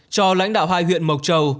cho lãnh đạo hai huyện mộc châu